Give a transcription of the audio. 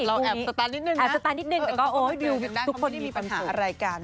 เราแอบสตันนิดหนึ่งนะแอบสตันนิดหนึ่งแต่ก็โอ้ยดูทุกคนมีปัญหาอะไรกัน